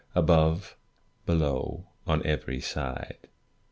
Above — below — on every side.